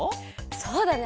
そうだね